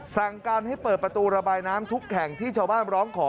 สั่งการให้เปิดประตูระบายน้ำทุกแห่งที่ชาวบ้านร้องขอ